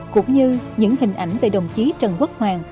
cũng như những hình ảnh về đồng chí trần quốc hoàng